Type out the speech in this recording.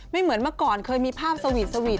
เหมือนเมื่อก่อนเคยมีภาพสวีทสวีท